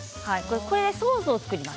これでソースを作ります。